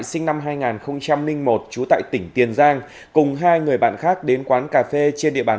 sinh năm hai nghìn một trú tại tỉnh tiền giang cùng hai người bạn khác đến quán cà phê trên địa bàn